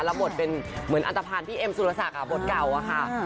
รับบทเป็นเหมือนอัตภัณฑ์พี่เอ็มสุรษะกะบทเก่าอะค่ะ